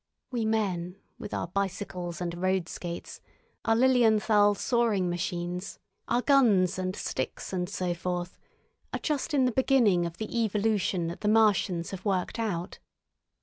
We men, with our bicycles and road skates, our Lilienthal soaring machines, our guns and sticks and so forth, are just in the beginning of the evolution that the Martians have worked out.